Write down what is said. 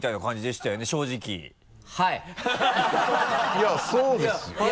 いやそうですよそうよ。